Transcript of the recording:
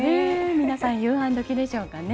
皆さん夕飯時でしょうかね。